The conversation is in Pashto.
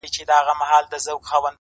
په دې وطن كي نستــه بېـــله بنگه ككــرۍ!